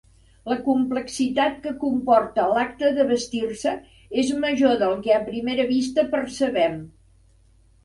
La complexitat que comporta l'acte de vestir-se és major del que a primera vista percebem.